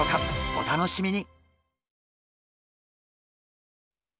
お楽しみに。